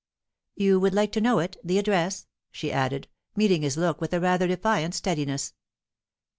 "You would like to know it the address?" she added, meeting his look with a rather defiant steadiness.